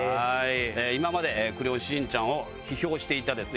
今まで『クレヨンしんちゃん』を批評していたですね